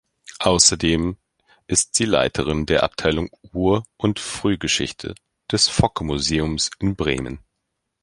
Außerdem ist sie Leiterin der Abteilung Ur- und Frühgeschichte des Focke-Museums in Bremen.